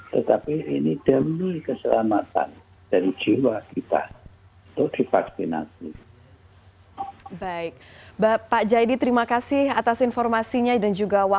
tetapi ini demi keselamatan dari jiwa